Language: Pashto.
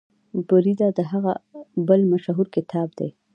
بریده د هغه بل مشهور کتاب دی.